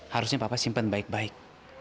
harusnya papa simpen baik baik